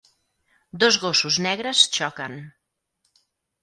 Dos gossos negres xoquen.